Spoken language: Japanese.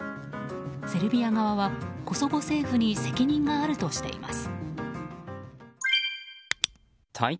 セルビア側はコソボ政府に責任があるとしています。